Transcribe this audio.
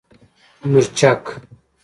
🌶 مورچک